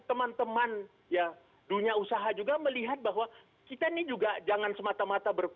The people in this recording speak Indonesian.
teman teman ya dunia usaha juga melihat bahwa kita ini juga jangan semata mata